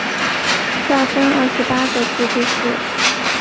下分廿八个自治市。